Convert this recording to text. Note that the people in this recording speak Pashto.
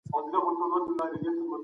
که تګلاره غلطه وي نو هدف نه ترلاسه کيږي.